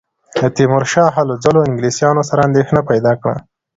د تیمورشاه هلو ځلو انګلیسیانو سره اندېښنه پیدا کړه.